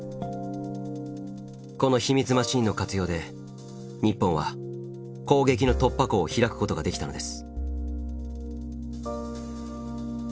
この秘密マシンの活用で日本は攻撃の突破口を開くことができたのです。